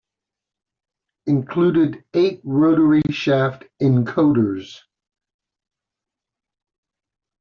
Included eight rotary shaft encoders.